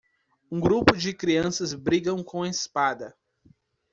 Um grupo de crianças brigam com espada.